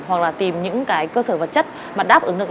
hoặc là tìm những cái cơ sở vật chất mà đáp ứng được